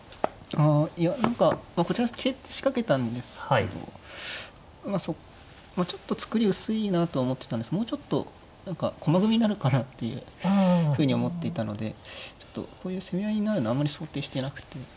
あいや何かこちら桂って仕掛けたんですけどまあちょっと作り薄いなとは思ってたんですけどもうちょっと何か駒組みになるかなっていうふうに思っていたのでちょっとこういう攻め合いになるのはあんまり想定してなくて。